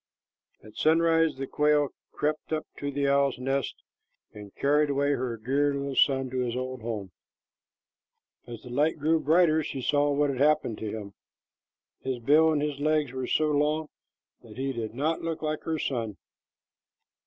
At sunrise the quail crept up to the owl's nest and carried away her dear little son to his old home. As the light grew brighter, she saw what had happened to him. His bill and his legs were so long that he did not look like her son.